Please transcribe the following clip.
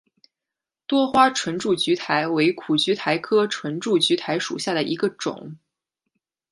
多花唇柱苣苔为苦苣苔科唇柱苣苔属下的一个种。